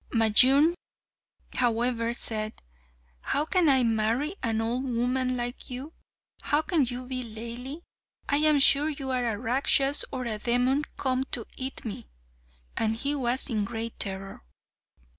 Majnun, however, said "How can I marry an old woman like you? how can you be Laili? I am sure you are a Rakshas or a demon come to eat me," and he was in great terror.